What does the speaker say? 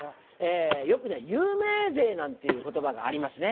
よくね有名税なんていう言葉がありますね。